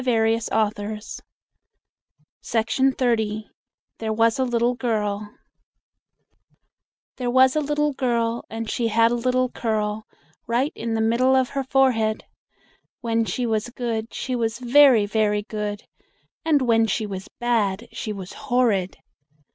ROBERT LOUIS STEVENSON THERE WAS A LITTLE GIRL There was a little girl, And she had a little curl Right in the middle of her forehead. When she was good She was very, very good, And when she was bad she was horrid.